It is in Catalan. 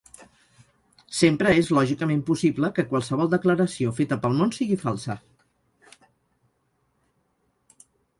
Sempre és lògicament possible que qualsevol declaració feta pel món sigui falsa.